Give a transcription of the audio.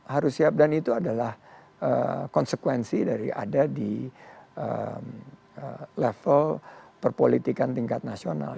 harus siap dan itu adalah konsekuensi dari ada di level perpolitikan tingkat nasional